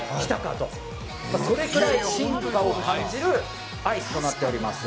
と、それくらい進化を感じるアイスとなっております。